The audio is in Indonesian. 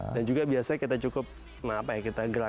dan juga biasanya kita cukup maaf ya kita gelap